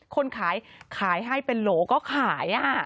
คนขายขายให้เป็นโหลก็ขาย